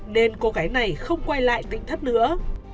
nên cô gái này không quay lại tịnh thất nữa